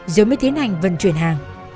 rồi mới tiến hành vận chuyển hàng